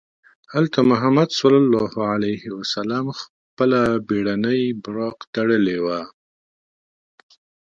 هلته محمد صلی الله علیه وسلم خپله بېړنۍ براق تړلې وه.